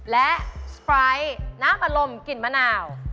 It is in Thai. และสไปร์สน้ำอัดลมกลิ่นมะหนาว